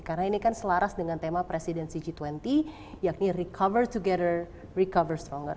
karena ini kan selaras dengan tema presiden cg dua puluh yakni recover together recover stronger